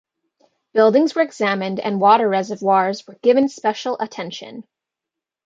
Buildings were examined and water reservoirs were given special attention.